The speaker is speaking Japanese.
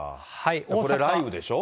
これ、雷雨でしょ？